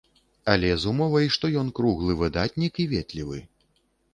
Але з умовай, што ён круглы выдатнік і ветлівы.